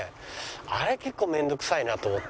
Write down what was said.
あれ結構面倒くさいなと思って。